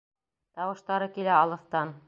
Тауыштары килә алыҫтан.